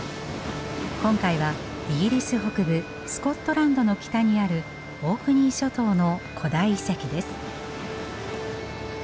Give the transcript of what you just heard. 今回はイギリス北部スコットランドの北にあるオークニー諸島の古代遺跡です。